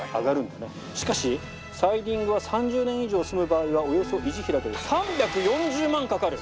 しかしサイディングは３０年以上住む場合はおよそ維持費だけで３４０万かかる」！